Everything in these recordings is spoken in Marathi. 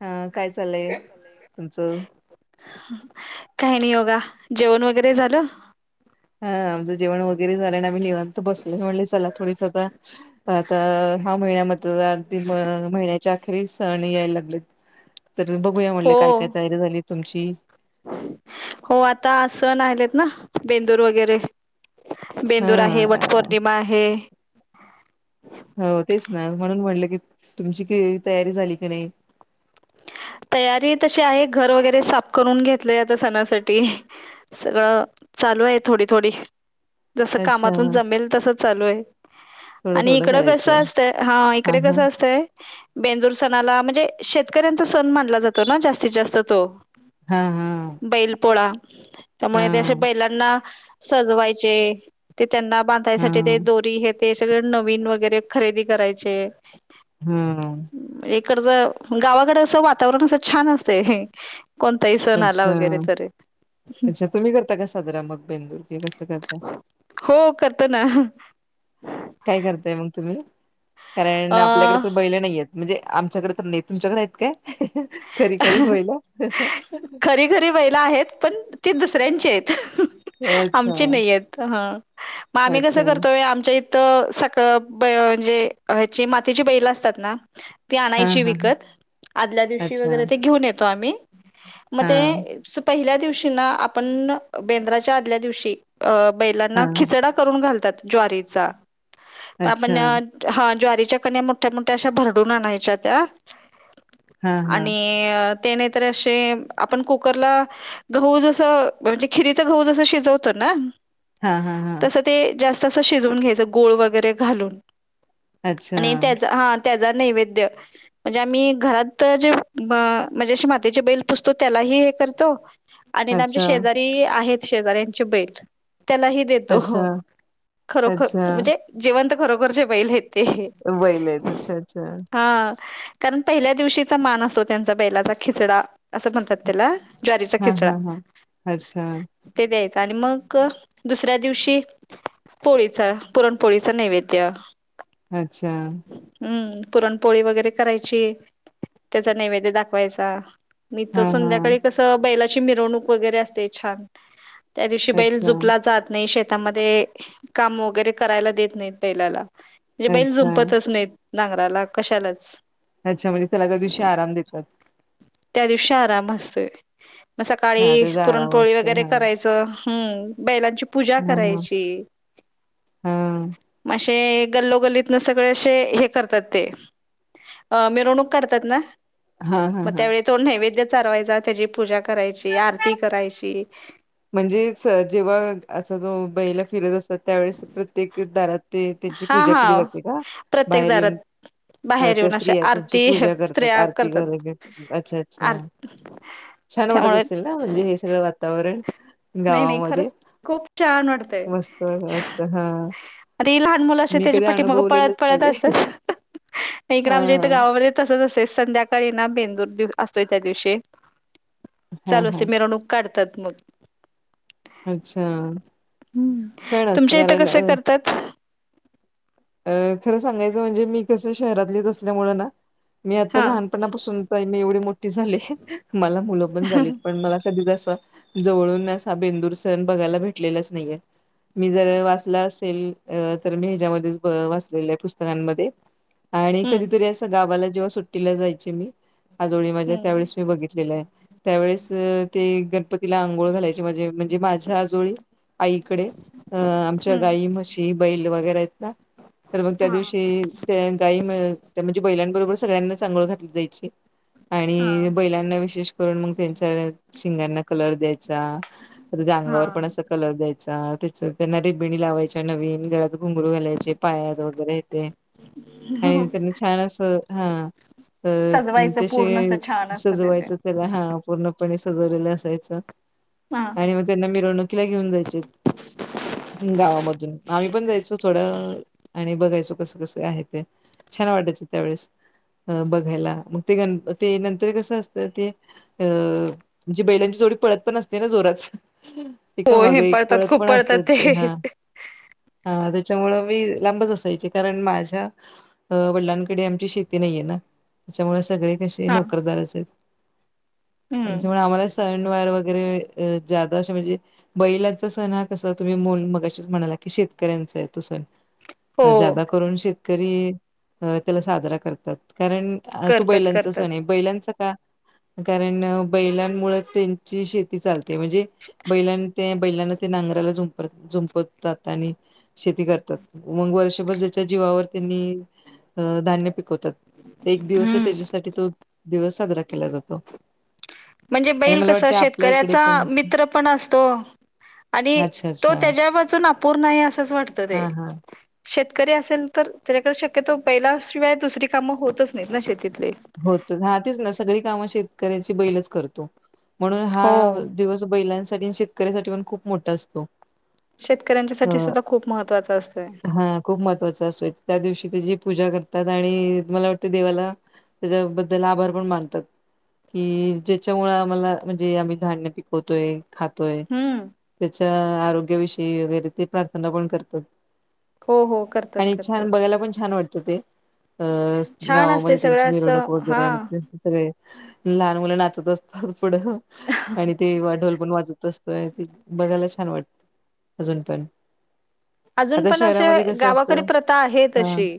अं काय चालय तुमचं? काही नाही बघा. जेवण वगैरे झाल? हा आमचं जेवण वगैरे झाल्याल. आम्ही निवांत बसलेलो म्हणले चला थोडीस आ आता ह [inaudible] महिन्याच्या अखेरी सण यायला लागलेत. तर बघूया म्हणले हो काय-काय तयारी झाली तुमची. हो आता सण आलेत ना बेंदूर वगैरे. हा बेंदूर आहे. वट पौर्णिमा आहे. हो तेच ना म्हणून म्हणलं की. तुमची काय तयारी झाली की नाही. तयारी तशी आहे. घर वगैरे साफ करून घेतलं आता. सणासाठी सगळं चालू आहे. थोडी-थोडी जस अच्छा कामातून जमेल तस चालू आहे. थोडं आणि थोडं इकड करायचं कसं असतंय. हा. इकडे कसं असतंय. बेंदूर सणाला म्ह म्हणजे शेतकऱ्यांचा सण मानला जातो ना. जास्तीत जास्त तो. हा. हा. बैलपोळा त्यामुळे ते असे. हा बैलांना सजवायचे. त्यांना बांधायसाठी ते हा दोरी हे ते सगळ. नवीन वगैरे खरेदी करायचे. हम्म. इतकंच गावाकडे अस वातावरण अस छान असतंय हे. कोणता ही सण आला अच्छा वगैरे तरी. अच्छा तुम्ही करता का साजरा. मग बेंदुर ते कसं करताय. हो करतो ना काय करताय मग तुम्ही? कारण अ आपल्याकडे तर बैले नाही आहेते. म्हणजे आमच्याकडे तर नाही. तुमच्याकडे आहेत काय? खरी-खरी बैलं. ते दुसऱ्यांचे आहेत. आमची नाही आहेत हा. मग आम्ही अच्छा कसं करतोय आमच्या इ त सळ म्हणजे. ह्याची मातीची बैल असतात ना. ती हा आणायची हा हा. विकत. आदल्या दिवशी अच्छा वगैरे ते घेऊन येतो आम्ही. मग हा ते पहिल्या दिवशी ना आपण. बेंद्राच्या आदल्या दिवशी अ हा बैलांना हा. खिचडा करून घालतात. ज्वारीचा. अच्छा आपण हा ज्वारी त्या कन्या मोठ्या-मोठ्या अशा भरडून आणायच्या त्या. हा हा आणि ते नाहीतर असे. आपण कुकरला गहू जसं म्हणजे. खिरीच गहू जस शिजवतो ना हा हा हा तस ते जास्त अस शिजून घ्यायचं. गुळ. वगैरे घालून. अच्छा.. आणि त्याचा हा त्याचा नैवेद्य म्हणजे आम्ही घरात तर जे- म्हणजे असे मातीचे बैल पुजतो. त्यालाही हे करतो आणि इथे आमच्या अच्छा शेजारी आहेत. शेजाऱ्यांची बैल त्यालाही देतो. अच्छा खरोखर अच्छा म्हणजे. जिवंत खरोखरचे बैले आहेत. ते हे बैल आहेत अच्छा अच्छा हा.. कारण पहिल्या दिवशीचा मान असतो त्यांचा बैलाचा खिचडा असं म्हणतात त्याला. ज्वारीचा हा खिचडा हा हा अच्छा ते द्यायच का आणि मग दुसऱ्या दिवशी पोळीचा पुरणपोळीचा नैवेद्य अच्छा. हम्म पुरणपोळी वगैरे करायची. त्याचा नैवेद्य दाखवायचा. मी तर हा हा संध्याकाळी कसं. बैलाची मिरवणूक वगैरे असते छान त्या दिवशी बैल अच्छा जुपला जात नाही. शेतामध्ये काम वगैरे करायला देत नाहीत बैलाला. म्हणजे बैल अच्छा झुंपतच नाहीत, नांगराला कशालाच अच्छा म्हणजे त्याला त्या दिवशी आराम देतात. त्या दिवशी आराम असतोय, मग हा सकाळी त्याचा आराम पुरणपोळी असतो वगैरे हा करायचं हम्म बैलांची पूजा हा हा करायची हा म अशा ते गल्लोगल्लीत न सगळे असे हे करतात ते. अ मिरवणूक काढतात ना? हा हा मग हा त्यावेळी तो नैवेद्य चारवायचा, त्याची पूजा करायची, आरती करायची. म्हणजेच जेव्हा असा जो बैलं फिरत असतात, त्यावेेळेस प्रत्येक दारात ते तेंची हा पूजा हा केली जाते का प्रत्येक बाहेर येऊन? दारात अ बाहेर त्या येऊन अशा स्त्रिया त्यांची आरती पूजा करतात, स्त्रिया आरती करतात करून घेतात अच्छा- अच्छा. आरती छान वाटत त्यामुळे असेल ना, म्हणजे हे सगळं वातावरण. नाही नाही गावामध्ये खरंच खूप छान वाटतय. मस्त वाटत हा [inaudible] ते लहान मुलं असे मी त्याच्या कधी पाठी माग पळत अनुभवलेलंच पळत नाहीये असतात. हा इकड, आमच्या इथ गावामध्ये तसच असतय, संध्याकाळी ना बेंदूर बिंदूर असतोय त्या दिवशी हा चालू हा असतय, मिरवणूक काढतात मग अच्छा हम्म छान असतं तुमच्या इथं कारण अ कसे करतात अ खरं सांगायचं म्हणजे मी कसं शहरातलीच असल्यामुळं ना? मी आता हा लहानपणापासून बाई मी एवढी मोठी झाले, मला मुलं पण झाली पण मला कधीच अस बा जवळून असा बेंदूर सण बघायला भेटलेलाच नाहीयेय. मी जर वाचला असेल, तर मी हेच्यामध्येच वाचलेल हाय पुस्तकांमध्ये आणि हम्म कधीतरी असं गावाला जेव्हा सुट्टीला जायची मी आजोळी माझ्या हम्म त्यावेळेस, मी बघितलेलं हाय. त्यावेळेस तर ते गणपतीला आंघोळ घालायचे म्हणजे म्हणजे माझ्या आजोळी आईकडे. अं आमच्या हम्म गाई, म्हशी, बैल, वगैरे आहेत ना तर मग त्या हा दिवशी ते गाईम-म्हणजे बैलाला बरोर सगळ्यांनाच आंघोळ घातली जायची. हा आणि बैलांना विशेष करून मग त्यांच्या. शिंगांना कलर द्यायचा. त्या अंगावर पण हा अस कलर द्यायचा. स त्यांना. रिबिणी लावायच्या नवीन. गळ्यात घुंगरू घालायचे पायात वगैरे येत. आणि त्यांनी छान असं हा. अ त्या सजवायचं तसे पूर्ण असं छान असतं त्याचे सजवायचं त्याला हा पूर्ण. पणे सजवलेलं असायच. हा आणि मग त्यांना मिरवणुकीला घेऊन जायचे. ह् गावामधून आम्ही पण जायचो थोडं बघायच कस-कस आहे ते. छान वाटायच त्यावेळेस. अ बघायला. मग ते ते नंतर कस असत ते. अ म्हजे बैलांच थोडी पळत पण असते ना जोरात. हो हे एक-माग-एक पळत पळतात खूप पण पळतात असतात. ते हा. हा त्याच्यामुळ मी. लांबच असायची. कारण माझ्या वडलांकडे आमची शेती नाहीये ना. त्यामुळ सगळे कसे हा नोकरदार असे. हम्म त्याच्यामुळे आम्हाला सणवार वगैरे जादा असे म्हणजे. बैलांचा सण हा कसा तुम्ही मल मगाशीच म्हणायला की शेतकऱ्यांचा आहे तो सण हो ज्यादा करून शेतकरी अ त्याला साजरा करतात. कारण तो करतात बैलांचा करतात सण आहे. बैलांचा कारण बैलांमुळे त्यांची शेती चालते म्हणजे बैलां ते बैलांना ते नांगराला झुंपत झुंपवतात. आणि शेती करतात. मग वर्षभर जाच्या जीवावर त्यांनी धान्य पिकवतात. होतेत, एक दिवस हम्म त्याच्यासाठी तो दिवस साजरा केला जातो. म्हणजे आणि बैल मला कसं वाटते आपल्या इकडे शेतकऱ्याचा पण मित्र पण असतो. आणि अच्छा तो अच्छा त्याच्यावाचून अपूर्ण आहे असंच वाटतं ते. हा हा शेतकरी असेल तर त्याच्याकडे शक्यतो बैलाशिवाय दुसरी कामं होतच नाहीत ना शेतीत. होत हा तेच ना, सगळी कामं शेतकऱ्याची बैलच करतो. म्हणून हा हो. दिवस बैलांसाठी अन शेतकऱ्यासाठी पण खूप मोठा असतो. अ शेतकऱ्यांच्यासाठी सुद्धा खूप महत्त्वाचं असतंय. हा, खूप महत्वाचा असतंय, त्या दिवशी त्याची पूजा करतात आणि मला वाटतंय देवाला त्याच्याबद्दल आभार पण मानतात. की ज्याच्यामुळे आम्हाला, म्हणजे आम्ही धान्य पिकवतोय खातोय, हम्म. त्याच्या आरोग्याविषयी वगैरे ते प्रार्थना पण करतात. हो हो करतात आणि करतात. छान बघायला पण छान वाटतं ते, अ छान असते गावामध्ये त्यांच्या सगळं [unintelligible] असं वगैरे हा. [unintelligible] सगळे, लहान मुलं नाचत असतात. पुढं आणि तेव्हा ढोल पण वाजत असतोय ते बघायला छान वाटतं. अजून पण. अजून आता पण अशे शहरामध्ये कसं गावाकडे असतं प्रथा आहे हां, तशी.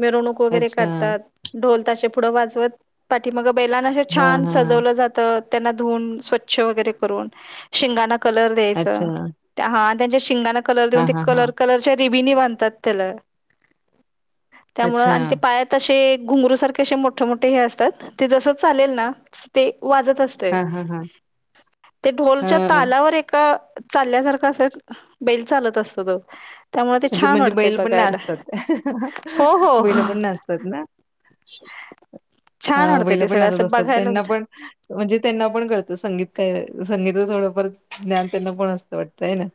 मिरवणूक वगैरे अच्छा. काढतात, ढोल ताशे पुढं वाजवत, पाठीमागं बैलांना अशे हां, छान हां, सजवलं जात. त्यांना धुवून स्वच्छ वगैरे करून, शिंगाना कलर देयचं, अच्छा. ते हा त्यांच्या शिंगाना कलर देऊन, हां, ते हां, कलर हां. कलरच्या रिबीनी बांधतात त्याला. त्यामुळं अच्छा. आणि ते पायात अशे घुंगरू सारखे असे मोठे मोठे हे असतात, ते जसं चालेल ना तसं ते‌ वाजत असतंय, हां, हां, हां. ते ढोलच्या हां. तालावर एक अ चालल्यासारखं असं बैल चालत असतो तो. त्यामुळे ते अजे छान म्हणजे वाटतंय बैल पण बघायला नाचतात, हो हो बैल पण नाचतात ना. ह [inaudible] छान आं वाटतंय बैलं ते पण सगळं नाचत असं असतात, बघायला त्यांना पण म्हणजे त्यांना पण कळत संगीत काय [unintelligible] संगीतच थोडंफार ज्ञान, त्यांना पण असतं वाटत हाय ना?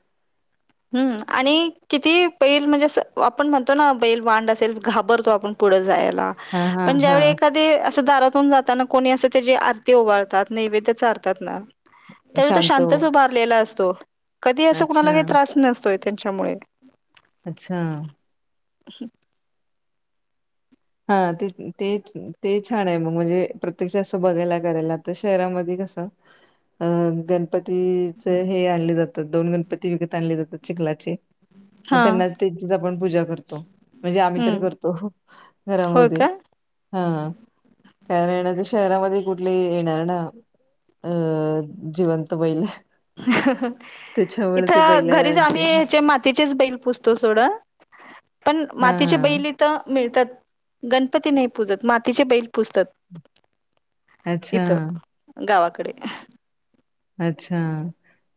हम्म आणि किती बैल म्हणजे अस आपण म्हणतो ना बैल वांड असेल? घाबरतो आपण पुढं जाया ला हां, हां, पण ज्यावेळी हां. एखादी दारातून जाताना कोणी अस ते जी आरती ओवाळतात, नैवेद्य चारतात ना, त्यावेळी तो शांत हो. शांतच उभारलेला अस तो. कधी असं कुणाला अच्छा, काहि त्रास नसतोय त्यांच्यामुळे अच्छा. हं. हा तेच की तेच ते छान आहे. मग म्हणजे प्रत्यक्ष असं बघायला, करायला आता शहरामध्ये कसं? अं गणपतीच हे आणले जातात, दोन गणपती विकत आणले जातात चिखलाचे. मग हां, त्यांना त्यांचीच आपण पूजा करतो म्हणजे आम्ही तरी हं. करतो. होय घरामध्ये का? हां. कारण आता शहरामध्ये कुठले ये येणार ना? अं जिवंत बैल. हं, हं [inaudible] त्याच्यामुळे ते इथं घरीच बैलांचे आम्ही हेचे मातीचेच बैल, पुजतो सोडा पण हा मातीचे बैल इथ मिळ तात. गणपती नाही पुूजत, मातीचे बैल पुूजतात. अच्छा इथं गावाकडे. अच्छा,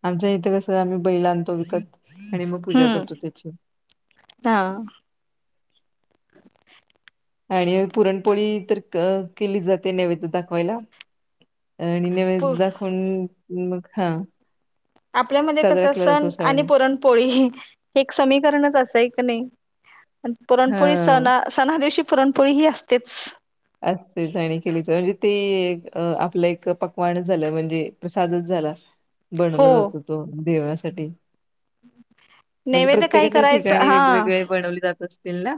आमच्या इथे कसं आम्ही बैल आणतो विकत आणि मग पूजा हं, करतो त्याची. हां. [inaudible] आणि पुरणपोळी तर क केली जाते, नैवेदय दाखवायला. अं आणि पु नीवेद दाखवून मग हां. आपल्यामध्ये कस सण आणि पुरणपोळी [inaudible] हे एक समीकरणच अस हाय का नाही? आणि पुरणपोळी हा सणा सणा दिवशी पुरणपोळी ही असतेच. असतेच आणि केली तं म्हणजे ते आपलं एक पकवानच झालं, म्हणजे प्रसादच झा झाला बनवला हो जातो तो देवासाठी म्हणजे नैवेद्य काही प्रत्येकाच्या करायचं ठिकाणी हा वेगवेगळे बनवले जात असतील ना?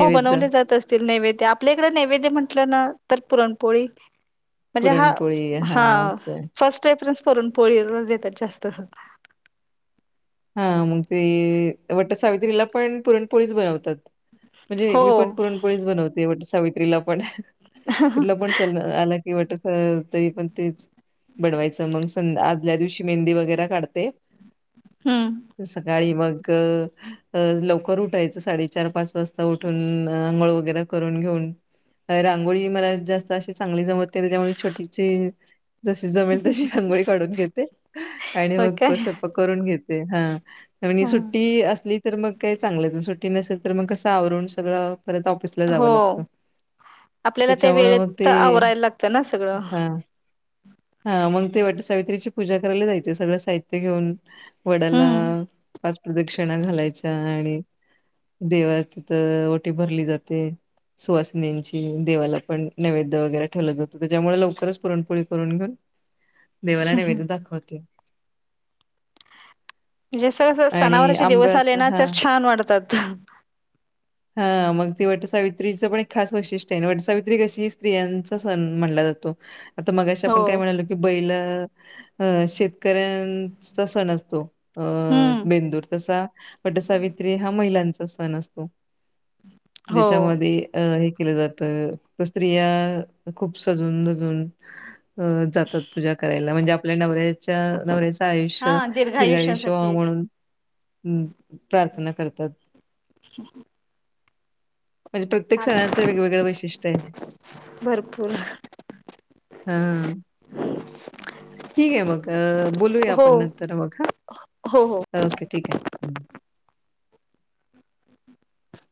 हो बनवले जात असतील नैवेद्य, आपल्या इकडे नैवेद्य म्हटलं ना, तर पुरणपोळी. म्हणजे हा पुरणपोळी हां हं असं. फर्स्ट रेफरन्स पुरण पोळीलाच देतात जास्त. हा मग ते वट सावित्रीला पण पुरणपोळीच बनवतात. म्हणजे हो मी पण पुरणपोळीच बनवते वट सावित्रीला पण. कुठला पण सण आला कि, वटसा तरी पण तेच. बनवायचं मग, सं आदल्या दिवशी मेहंदी वगेरा काढते. हम्म सकाळी मगअ अ लवकर उठायचं, साडेचार पाच वाजता उठून आंघोळ वगैरे करून घेऊन रांगोळी मला जास्त अशी चांगली जमत नाई त्यामुळे छोटीशी जशी जमेल तशी रांगोळी काढून घेते, आणि मग ओके तो स्वयंपाक करून घेते. ते. हा म्हणजे सुट्टी असली तर, मग काय चांगलंच. सु्ट ट्टी नसेल, तर मग कसं आवरून सगळं परत ऑफिसला जावं हो लागतं. आपल्याला त्या त्याच्यामुळं मग वेळेत ते, आवरायला लागतं ना सगळं हा हा मग ते वट सावित्रीची पूजा करायला जायचे, सगळं साहित्य घेऊन. वडाला हम्म पाच प्रदक्षिणा घालायच्या आणि देवाच ओटी भरली जाते. सुवासिनींची, देवाला पण नैवेद्य वगैरे ठेवला जातो. त्याच्यामुळे लवकरच पुरणपोळी करून घेऊन देवाला नैवेद दाखवते. म्हणजे असं कसं आणि सणावाराचे दिवस आले आंब्याचा ना, हा तर छान वाटतात. हा मग ते वटसावित्रीचं पण एक खास वैशिष्ट्य हाय. वटसावित्री कशी स्त्रीयांचा सण माणला जात तो. आता मगाशी आपण काय हो म्हणालो की बैलं अ शेतकऱ्यांचा सण असतो हम्म बेंदुर, तसा वटसावित्री त्री हा महिलांचा सण असतो. हो. जेच्या मधी अ हे केल जात. स्त्रिया खूप सजून धजून अ जातात पूजा करायला म्हणजे आपल्या नवऱ्याच्या नवऱ्याचं हा आयुष्य दीर्घ आयुष्य व्हावं आयुष्यासाठी म्हणून हम प्रार्थना करतात. म्हणजे प्रत्येक चालत. सणांचं वेगवेगळ वैशिष्ट्य हाय. भरपूर हा हा ह. ठीक हाये मग, बोलूया हो आपण नंतर मग हा. हो हो. ओके. ठीक हाय. [inaudible]